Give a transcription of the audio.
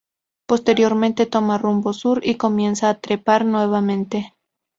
Posteriormente toma rumbo sur y comienza a trepar nuevamente.